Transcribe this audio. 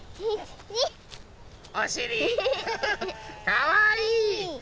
かわいい！